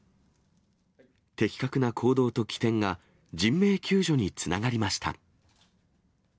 的確な行動と機転が、人命救助につながりました。